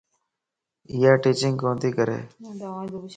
ايا ٽيچنگ ڪوتي ڪري